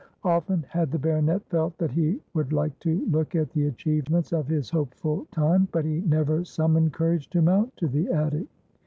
Often had the baronet felt that he would like to look at the achievements of his hopeful time, but he never summoned courage to mount to the attic.